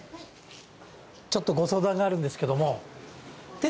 ちょっとご相談があるんですけども。